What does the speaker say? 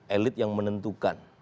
elit yang menentukan